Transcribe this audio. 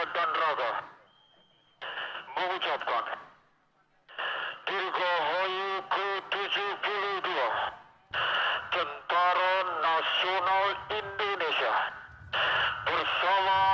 tentara nasional indonesia